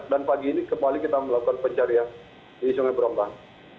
dan pagi ini kembali kita melakukan pencarian di sungai brombang